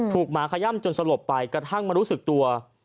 หมาขย่ำจนสลบไปกระทั่งมารู้สึกตัว